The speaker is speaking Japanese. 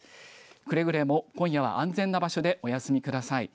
くれぐれも今夜は安全な場所でお休みください。